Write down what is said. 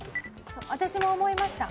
私も思いました。